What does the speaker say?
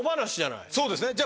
そうですねじゃ